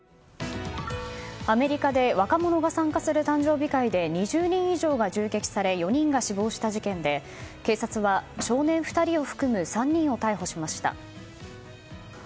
アメリカで若者が参加する誕生日会で２０人以上が銃撃され４人が死亡した事件で警察は少年２人を含む３人を逮捕しました。